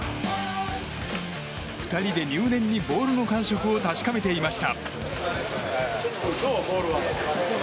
２人で入念にボールの感触を確かめていました。